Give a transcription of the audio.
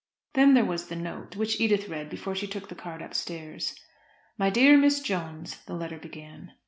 Then there was the note, which Edith read before she took the card upstairs. "My dear Miss Jones," the letter began.